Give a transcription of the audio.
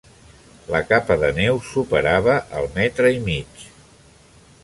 La capa de neu superava el metre i mig.